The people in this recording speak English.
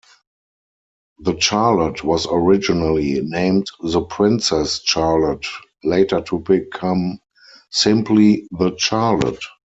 The Charlotte was originally named The Princess Charlotte, later to become simply 'The Charlotte'.